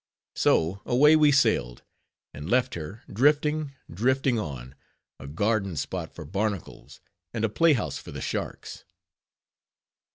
So away we sailed, and left her; drifting, drifting on; a garden spot for barnacles, and a playhouse for the sharks.